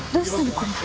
これ。